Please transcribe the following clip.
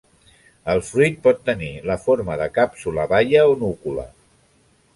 El fruit pot tenir la forma de càpsula baia o núcula.